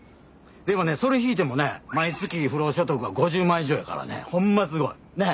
でもねそれ引いてもね毎月不労所得が５０万以上やからねほんますごい。ね？